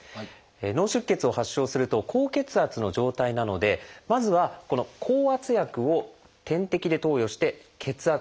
脳出血を発症すると高血圧の状態なのでまずはこの降圧薬を点滴で投与して血圧を下げます。